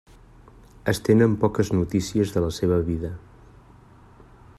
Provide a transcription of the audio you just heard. Es tenen poques notícies de la seva vida.